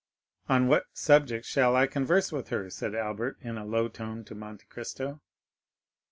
"On what subject shall I converse with her?" said Albert, in a low tone to Monte Cristo.